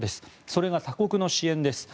それが他国の支援です。